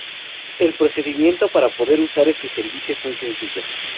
El procedimiento para poder usar este servicio es muy sencillo.